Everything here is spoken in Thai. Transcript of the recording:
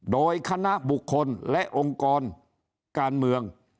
โดยคณะบุคคลและองค์กรการเมือง